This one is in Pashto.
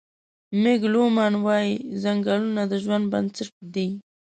مېګ لومان وايي: "ځنګلونه د ژوند بنسټ دی.